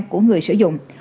của người sử dụng